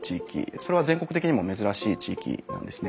それは全国的にも珍しい地域なんですね。